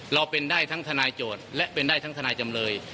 เราเป็นได้ทั้งทนายโจทย์และเป็นได้ทั้งทนายจำเลย